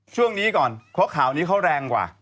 เอาช่วงหน้าคลุกฮาวนี้เขาแรงกว่า